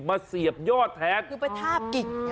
มาเสียบยอดแทง